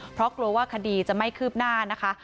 เพราะกลัวว่าคดีจะไม่คืบหน้านะคะ